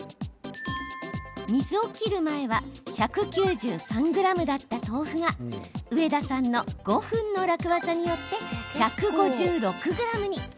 水を切る前は１９３ｇだった豆腐が上田さんの５分の楽ワザによって１５６ｇに。